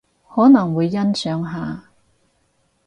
可能會欣賞下